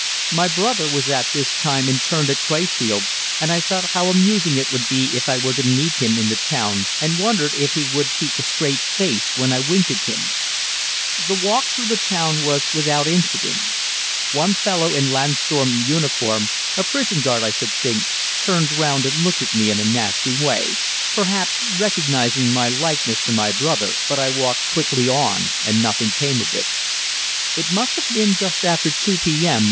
My brother was at this time interned at Crefeld, and I thought how amusing it would be if I were to meet him in the town and wondered if he would keep a straight face when I winked at him. The walk through the town was without incident. One fellow, in Landsturm uniform, a prison guard I should think, turned round and looked at me in a nasty way, perhaps recognizing my likeness to my brother, but I walked quickly on and nothing came of it. It must have been just after 2 p.m.